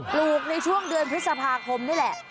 ลูกในช่วงเดือนพฤษภาคมนี่แหละ